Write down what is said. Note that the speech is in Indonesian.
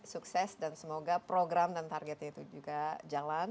sukses dan semoga program dan targetnya itu juga jalan